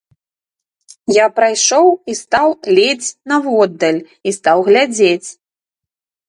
Я прайшоў і стаў ледзь наводдаль, і стаў глядзець.